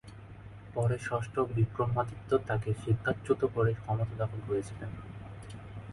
পরে ষষ্ঠ বিক্রমাদিত্য তাঁকে সিংহাসনচ্যুত করে ক্ষমতা দখল করেছিলেন।